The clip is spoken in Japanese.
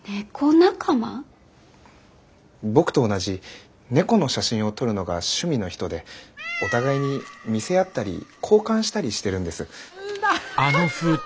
僕と同じ猫の写真を撮るのが趣味の人でお互いに見せ合ったり交換したりしてるんです。